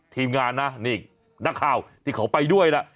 ทีมงานนะนี่นักข่าวที่เขาไปด้วยล่ะ